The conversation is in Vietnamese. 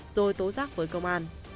rồi tố rác với công an